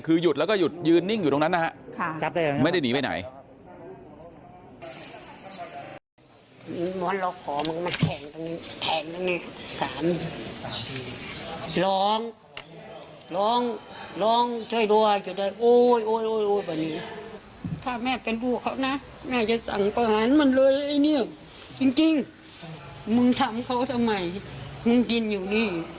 คือหยุดแล้วก็หยุดยืนนิ่งอยู่ตรงนั้นนะฮะไม่ได้หนีไปไหน